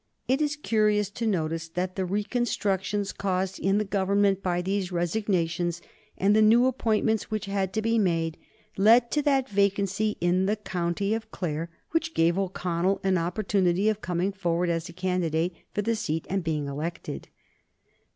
It is curious to notice that the reconstructions caused in the Government by these resignations, and the new appointments which had to be made, led to that vacancy in the county of Clare which gave O'Connell an opportunity of coming forward as a candidate for the seat and being elected.